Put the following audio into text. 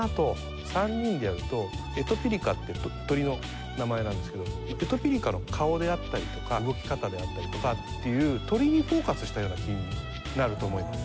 ３人でやると「エトピリカ」って鳥の名前なんですけどエトピリカの顔であったりとか動き方であったりとかという鳥にフォーカスしたような気になると思います。